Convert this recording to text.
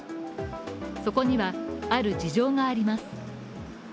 そこにはある事情があります。